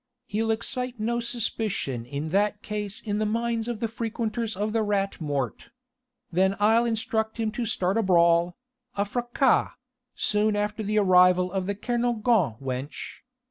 He'll excite no suspicion in that case in the minds of the frequenters of the Rat Mort. Then I'll instruct him to start a brawl a fracas soon after the arrival of the Kernogan wench.